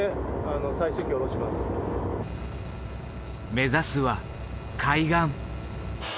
目指すは海岸。